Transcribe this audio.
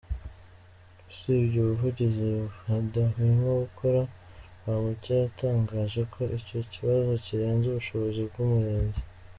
Usibye ubuvugizi badahwema gukora, Rwamucyo yatangaje ko icyo kibazo kirenze ubushobozi bw’Umurenge.